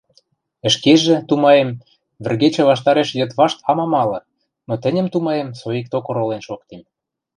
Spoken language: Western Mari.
Ӹшкежӹ, тумаем, вӹргечӹ ваштареш йыдвашт ам амалы, но тӹньӹм, тумаем, соикток оролен шоктем.